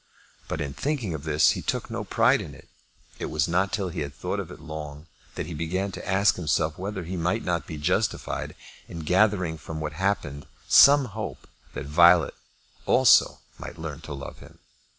But in thinking of this he took no pride in it. It was not till he had thought of it long that he began to ask himself whether he might not be justified in gathering from what happened some hope that Violet also might learn to love him.